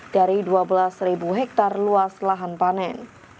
dari dua belas hektare luas lahan panen